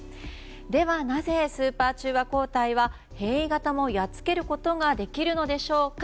では、なぜスーパー中和抗体は変異型もやっつけることができるのでしょうか。